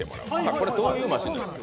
これどういうマシンなんですか？